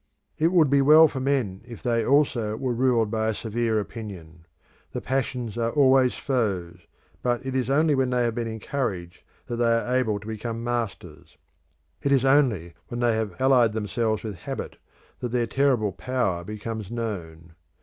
It would be well for men if they also were ruled by a severe opinion. The passions are always foes, but it is only when they have been encouraged that they are able to become masters; it is only when they have allied themselves with habit that their terrible power becomes known.